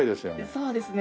そうですね。